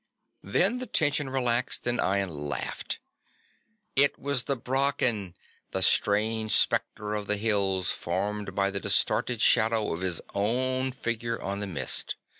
Then the tension relaxed and Ian laughed. It was the brocken, the strange spectre of the hills formed by the distorted shadow of his own figure on the mist!